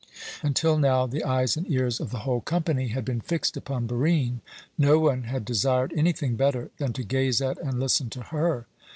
Until now the eyes and ears of the whole company had been fixed upon Barine. No one had desired anything better than to gaze at and listen to her.